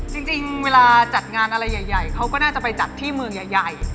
จริงเวลาจัดงานอะไรใหญ่เขาก็น่าจะไปจัดที่เมืองใหญ่